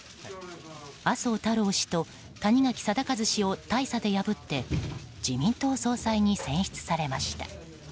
麻生太郎氏と谷垣禎一氏を大差で破って自民党総裁に選出されました。